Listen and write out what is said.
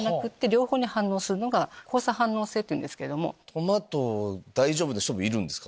トマト大丈夫な人もいるんですか？